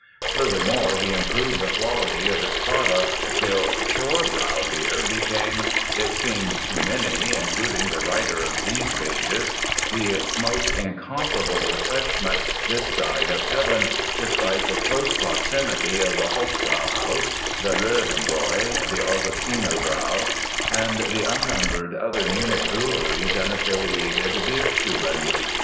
Furthermore, he improved the quality of its products till Pschorrbrau beer became, it seemed to many (including the writer of these pages) the most incomparable refreshment this side of heaven, despite the close proximity of the Hofbrauhaus, the Löwenbrau, the Augustiner Brau and the unnumbered other Munich breweries and affiliated Bierstuben.